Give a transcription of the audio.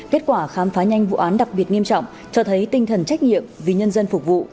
kết quả khám phá nhanh vụ án đặc biệt nghiêm trọng cho thấy tinh thần trách nhiệm vì nhân dân phục vụ